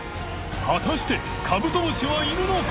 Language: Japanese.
未燭靴カブトムシはいるのか？